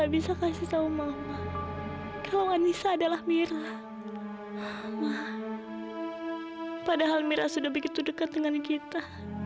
padahal mira sudah begitu dekat dengan kita